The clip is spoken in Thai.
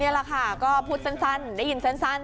นี่แหละค่ะก็พูดสั้นได้ยินสั้น